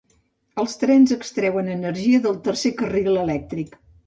Els trens extreuen energia del tercer carril elèctric.